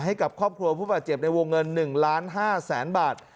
ให้กับครอบครัวผู้บาดเจ็บในวงเงิน๑ล้าน๕แสนบาท